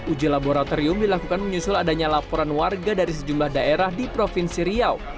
uji laboratorium dilakukan menyusul adanya laporan warga dari sejumlah daerah di provinsi riau